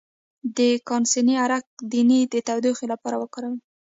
د کاسني عرق د ینې د تودوخې لپاره وکاروئ